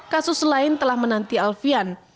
kasus lain telah menanti alfian